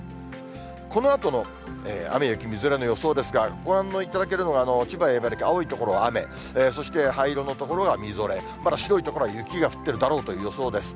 このあとの雨や雪、みぞれの予想ですが、ご覧いただけるのが千葉や茨城、青い所は雨、そして灰色の所がみぞれ、まだ白い所は雪が降っているだろうという予想です。